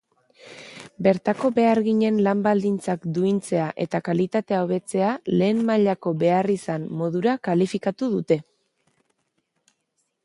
Bertako beharginen lan baldintzak duintzea eta kalitatea hobetzea “lehen mailako beharrizan” modura kalifikatu dute.